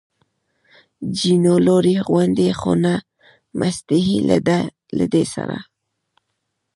جینو: لوړې غونډۍ، خو نه مسطحې، له ده سره.